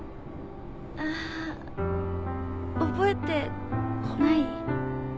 あ覚えてない？